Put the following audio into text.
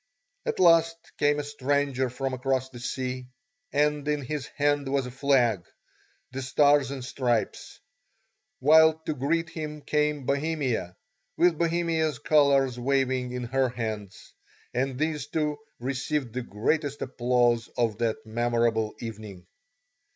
At last came a stranger from across the sea, and in his hand was a flag, the Stars and Stripes, while to greet him came Bohemia, with Bohemia's colours waving in her hands; and these two received the greatest applause of that memorable evening.